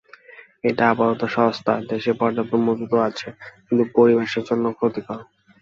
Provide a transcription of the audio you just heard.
এটা আপাতত সস্তা, দেশে পর্যাপ্ত মজুতও আছে, কিন্তু পরিবেশের জন্য ক্ষতিকর।